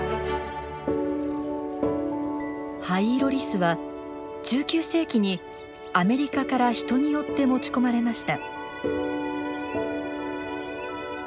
ハイイロリスは１９世紀にアメリカから人によって持ち込まれました。